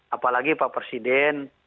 apalagi pak presiden